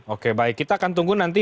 oke baik kita akan tunggu nanti